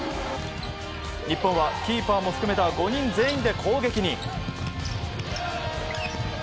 日本はキーパーも含めた５人全員で攻撃に。